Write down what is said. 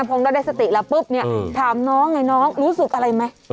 พอก็ได้สติแล้วปุ๊บเนี่ยถามน้องไงน้องรู้สึกอะไรไหม